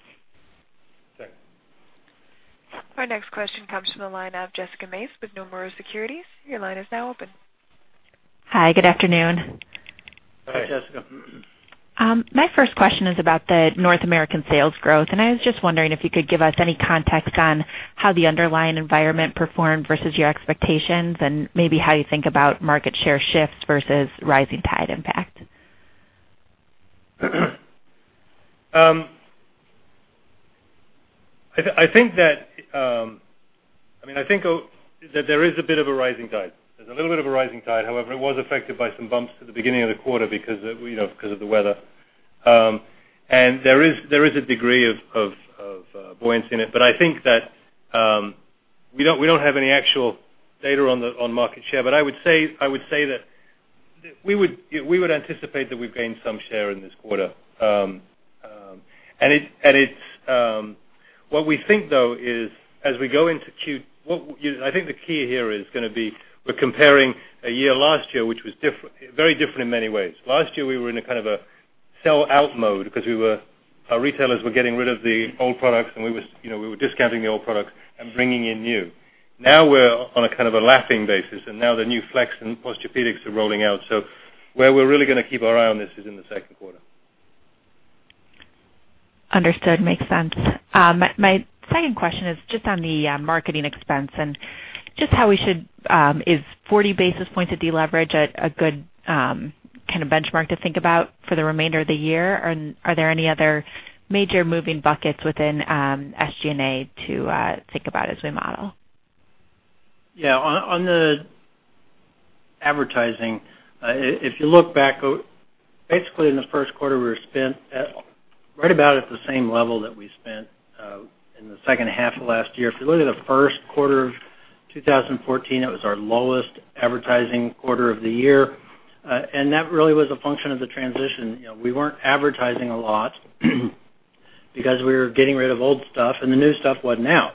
Our next question comes from the line of Jessica Mace with Nomura Securities. Your line is now open. Hi, good afternoon. Hi, Jessica. My first question is about the North American sales growth. I was just wondering if you could give us any context on how the underlying environment performed versus your expectations and maybe how you think about market share shifts versus rising tide impact. I think that there is a bit of a rising tide. There's a little bit of a rising tide. However, it was affected by some bumps at the beginning of the quarter because of the weather. There is a degree of buoyancy in it. I think that we don't have any actual data on market share. I would say that we would anticipate that we've gained some share in this quarter. What we think, though, is I think the key here is going to be we're comparing a year last year, which was very different in many ways. Last year, we were in a kind of a sell-out mode because our retailers were getting rid of the old products, and we were discounting the old products and bringing in new. Now we're on a kind of a lapping basis, and now the new Flex and Posturepedic are rolling out. Where we're really going to keep our eye on this is in the second quarter. Understood. Makes sense. My second question is just on the marketing expense and just how we should. Is 40 basis points of deleverage a good benchmark to think about for the remainder of the year? Are there any other major moving buckets within SG&A to think about as we model? Yeah. On the advertising, if you look back, basically in the first quarter, we were spent right about at the same level that we spent in the second half of last year. If you look at the first quarter of 2014, it was our lowest advertising quarter of the year. That really was a function of the transition. We weren't advertising a lot because we were getting rid of old stuff, and the new stuff wasn't out.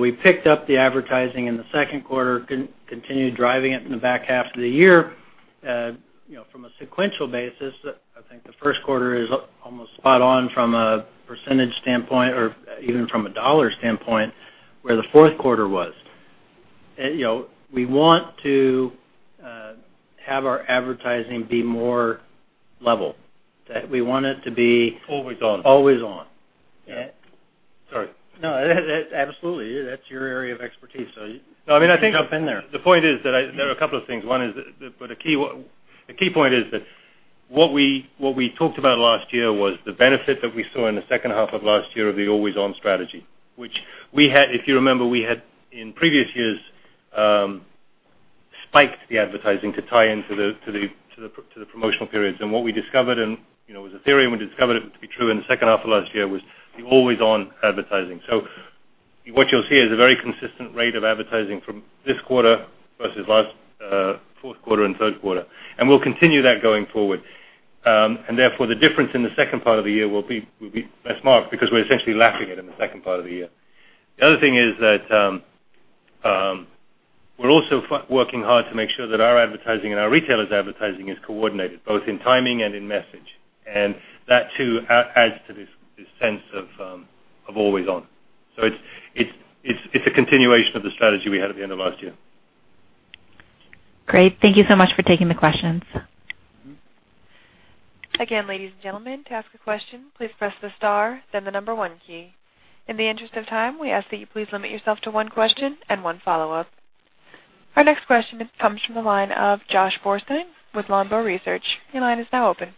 We picked up the advertising in the second quarter, continued driving it in the back half of the year. From a sequential basis, I think the first quarter is almost spot on from a percentage standpoint or even from a dollar standpoint, where the fourth quarter was. We want to have our advertising be more level, that we want it to be- Always on always on. Yeah. Sorry. No, absolutely. That's your area of expertise. You can jump in there. The point is that there are a couple of things. The key point is that what we talked about last year was the benefit that we saw in the second half of last year of the always-on strategy. Which, if you remember, we had in previous years spiked the advertising to tie into the promotional periods. What we discovered, and it was a theory, and we discovered it to be true in the second half of last year was the always-on advertising. What you'll see is a very consistent rate of advertising from this quarter versus fourth quarter and third quarter. We'll continue that going forward. Therefore, the difference in the second part of the year will be less marked because we're essentially lapping it in the second part of the year. The other thing is that we're also working hard to make sure that our advertising and our retailers' advertising is coordinated, both in timing and in message. That too adds to this sense of always on. It's a continuation of the strategy we had at the end of last year. Great. Thank you so much for taking the questions. Again, ladies and gentlemen, to ask a question, please press the star, then the number 1 key. In the interest of time, we ask that you please limit yourself to one question and one follow-up. Our next question comes from the line of Josh Borstein with Longbow Research. Your line is now open.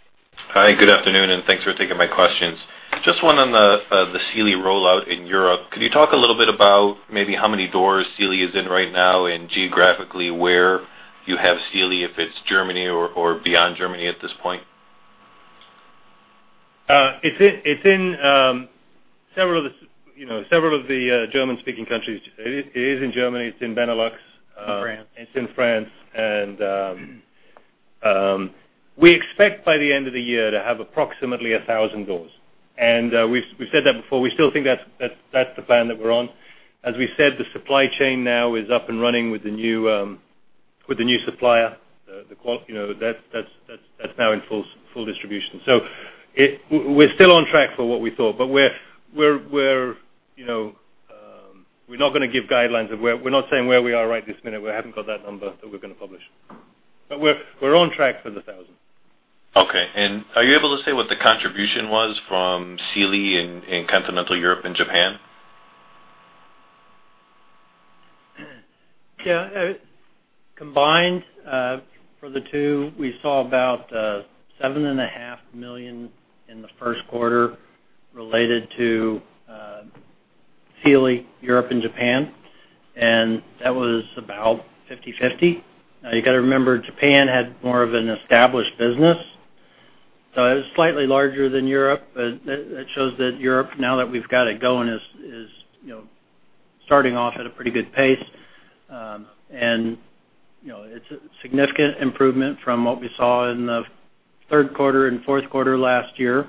Hi, good afternoon and thanks for taking my questions. Just one on the Sealy rollout in Europe. Could you talk a little bit about maybe how many doors Sealy is in right now and geographically where you have Sealy, if it's Germany or beyond Germany at this point? It's in several of the German-speaking countries. It is in Germany, it's in Benelux- In France It's in France. We expect by the end of the year to have approximately 1,000 doors. We've said that before. We still think that's the plan that we're on. As we said, the supply chain now is up and running with the new supplier. That's now in full distribution. We're still on track for what we thought. We're not going to give guidelines of where we're not saying where we are right this minute. We haven't got that number that we're going to publish. We're on track for the 1,000. Okay. Are you able to say what the contribution was from Sealy in Continental Europe and Japan? Yeah. Combined for the two, we saw about seven and a half million in the first quarter related to Sealy Europe and Japan, and that was about 50/50. You got to remember, Japan had more of an established business, so it was slightly larger than Europe, but it shows that Europe, now that we've got it going, is starting off at a pretty good pace. It's a significant improvement from what we saw in the third quarter and fourth quarter last year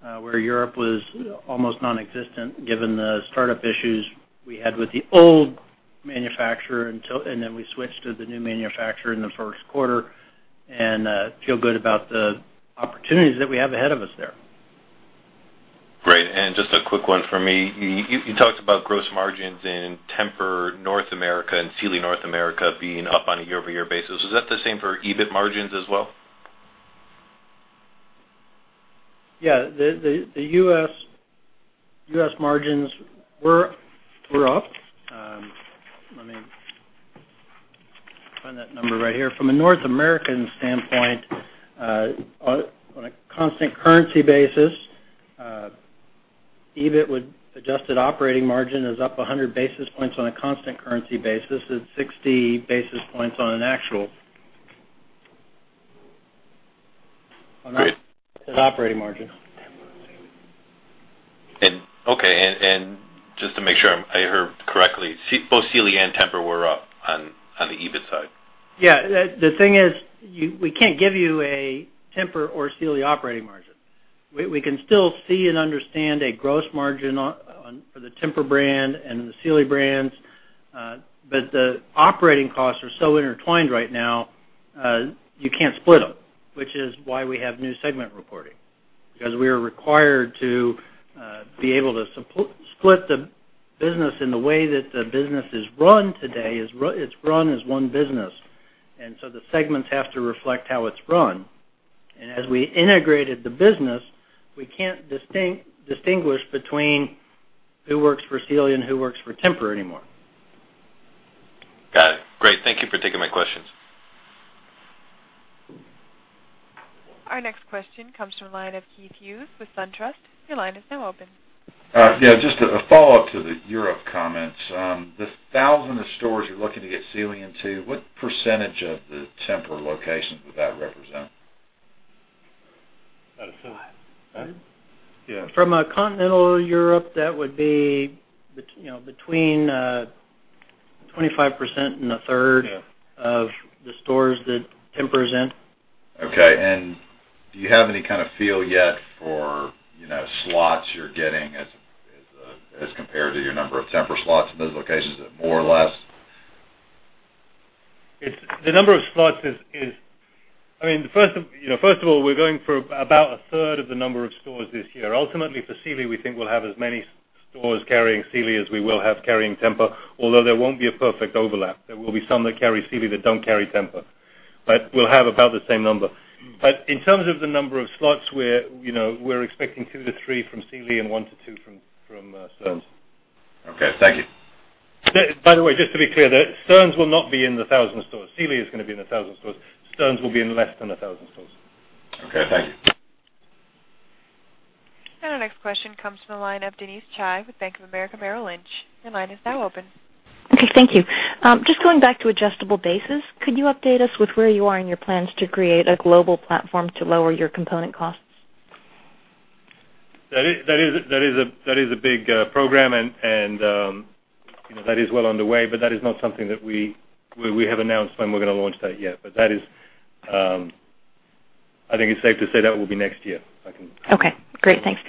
where Europe was almost non-existent given the startup issues we had with the old manufacturer, and then we switched to the new manufacturer in the first quarter and feel good about the opportunities that we have ahead of us there. Great. Just a quick one for me. You talked about gross margins in TEMPUR North America and Sealy North America being up on a year-over-year basis. Is that the same for EBIT margins as well? Yeah. The U.S. margins were up. Let me find that number right here. From a North American standpoint, on a constant currency basis, EBIT with adjusted operating margin is up 100 basis points on a constant currency basis and 60 basis points on an actual operating margin. Okay. Just to make sure I heard correctly, both Sealy and TEMPUR were up on the EBIT side? Yeah. The thing is, we can't give you a TEMPUR or Sealy operating margin. We can still see and understand a gross margin for the TEMPUR brand and the Sealy brands. The operating costs are so intertwined right now, you can't split them, which is why we have new segment reporting. We are required to be able to split the business in the way that the business is run today. It's run as one business, the segments have to reflect how it's run. As we integrated the business, we can't distinguish between who works for Sealy and who works for TEMPUR anymore. Got it. Great. Thank you for taking my questions. Our next question comes from the line of Keith Hughes with SunTrust. Your line is now open. Yeah, just a follow-up to the Europe comments. The 1,000 of stores you're looking to get Sealy into, what percentage of the TEMPUR locations would that represent? From a Continental Europe, that would be between 25% and a third Yeah of the stores that TEMPUR is in. Okay. Do you have any kind of feel yet for slots you're getting as compared to your number of TEMPUR slots in those locations? Is it more or less? First of all, we're going for about a third of the number of stores this year. Ultimately, for Sealy, we think we'll have as many stores carrying Sealy as we will have carrying TEMPUR, although there won't be a perfect overlap. There will be some that carry Sealy that don't carry TEMPUR, but we'll have about the same number. In terms of the number of slots, we're expecting two to three from Sealy and one to two from Stearns. Okay, thank you. By the way, just to be clear, Stearns will not be in the 1,000 stores. Sealy is going to be in the 1,000 stores. Stearns will be in less than 1,000 stores. Okay, thank you. Our next question comes from the line of Denise Chai with Bank of America Merrill Lynch. Your line is now open. Okay, thank you. Just going back to adjustable bases, could you update us with where you are in your plans to create a global platform to lower your component costs? That is a big program, and that is well underway, but that is not something that we have announced when we're going to launch that yet. I think it's safe to say that will be next year. Okay, great. Thanks.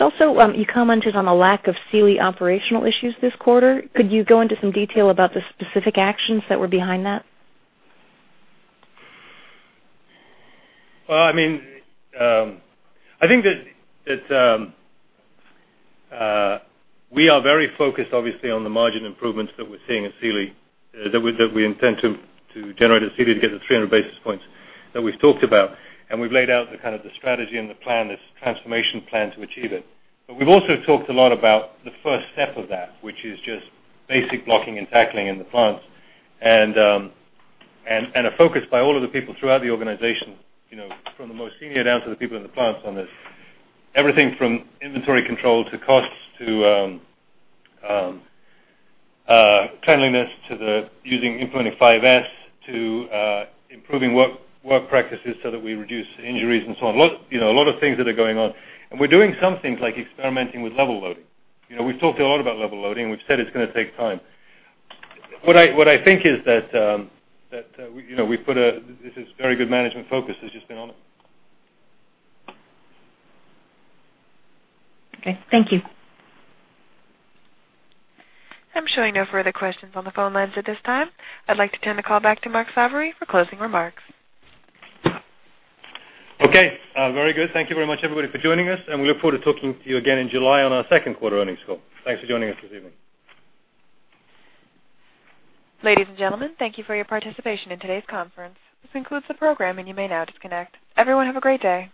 Also, you commented on the lack of Sealy operational issues this quarter. Could you go into some detail about the specific actions that were behind that? I think that we are very focused, obviously, on the margin improvements that we're seeing at Sealy, that we intend to generate at Sealy to get to 300 basis points that we've talked about. We've laid out the strategy and the plan, this transformation plan to achieve it. We've also talked a lot about the first step of that, which is just basic blocking and tackling in the plants and a focus by all of the people throughout the organization, from the most senior down to the people in the plants on this. Everything from inventory control to costs to cleanliness to the using and implementing 5S to improving work practices so that we reduce injuries and so on. A lot of things that are going on. We're doing some things like experimenting with level loading. We've talked a lot about level loading. We've said it's going to take time. What I think is that this is very good management focus has just been on it. Okay. Thank you. I'm showing no further questions on the phone lines at this time. I'd like to turn the call back to Mark Sarvary for closing remarks. Okay, very good. Thank you very much, everybody, for joining us, and we look forward to talking to you again in July on our second quarter earnings call. Thanks for joining us this evening. Ladies and gentlemen, thank you for your participation in today's conference. This concludes the program, and you may now disconnect. Everyone, have a great day.